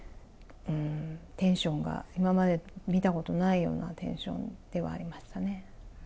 うーん、テンションが今まで見たことないようなテンションではありましたね。